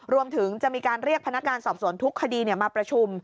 รวมถึงจะมีการเรียกพนักงานสอบสวนทุกคดีมาประชุม